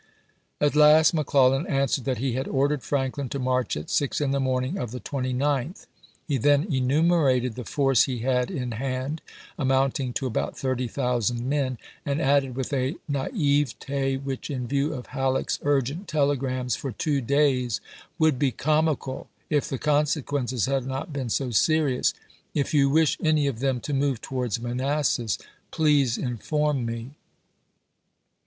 At last McClellan answered that he had ordered Franklin to march at six in the morning of the Aug., 1862. 29th. He then enumerated the force he had in hand, amounting to about thirty thousand men, and added, with a naivete which in view of Hal leck's urgent telegrams for two days would be com ical if the consequences had not been so serious, " If you wish any of them to move towards Manas ibid. sas, please inform me."